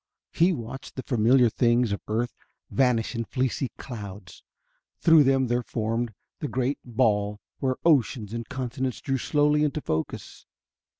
He watched the familiar things of earth vanish in fleecy clouds; through them there formed the great ball, where oceans and continents drew slowly into focus.